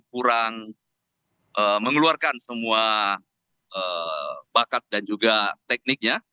kurang mengeluarkan semua bakat dan juga tekniknya